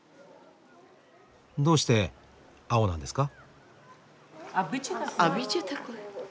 どうして青なんですか？